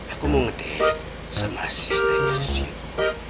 aku mau ngedate sama sisnya susilo